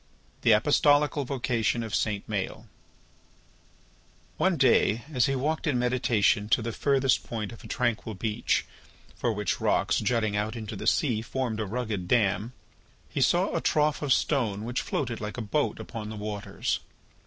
THE APOSTOLICAL VOCATION OF SAINT MAËL One day as he walked in meditation to the furthest point of a tranquil beach, for which rocks jutting out into the sea formed a rugged dam, he saw a trough of stone which floated like a boat upon the waters.